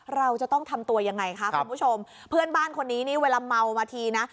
เราจะต้องทำตัวยังไงคะคุณผู้ชมเพื่อนบ้านคนนี้นี่เวลาเมามาทีนะ